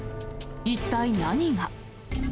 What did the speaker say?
一体何が。